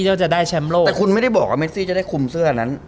เราจะได้แชมป์โลกแต่คุณไม่ได้บอกว่าเมซี่จะได้คุมเสื้อนั้น